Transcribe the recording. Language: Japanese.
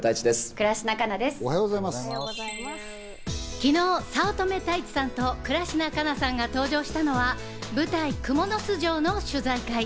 昨日、早乙女太一さんと倉科カナさんが登場したのは舞台『蜘蛛巣城』の取材会。